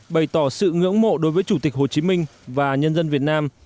bày tỏ sự ngưỡng mộ đối với chủ tịch hồ chí minh và nhân dân việt nam